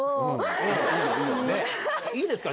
いいですか？